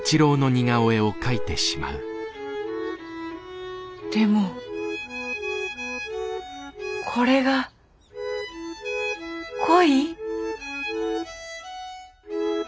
心の声でもこれが恋？